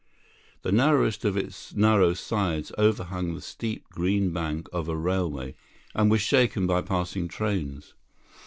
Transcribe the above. The narrowest of its narrow sides overhung the steep green bank of a railway, and was shaken by passing trains.